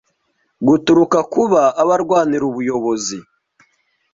guturuka ku kuba aba arwanira ubuyobozi